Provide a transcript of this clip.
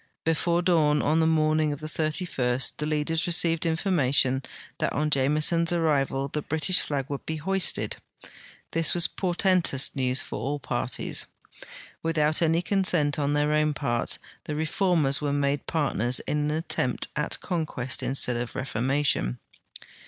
Befiire dawn on the morning of the 31st the leaders received information that on Jameson's arrival the British flag would be lioisted. This was portentous news for all parties. Without any consent on their own part, the reformers were made partners in an atteinjit at conquest instead of reformation.